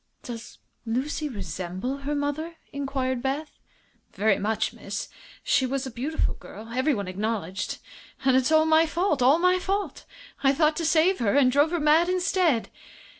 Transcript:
"Does Lucy resemble her mother?" inquired Beth. "Very much, miss. She was a beautiful girl, everyone acknowledged. And it's all my fault all my fault. I thought to save her, and drove her mad, instead!"